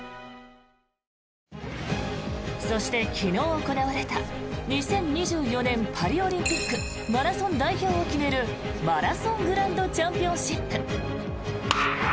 そして、昨日行われた２０２４年パリオリンピックマラソン代表を決めるマラソングランドチャンピオンシップ。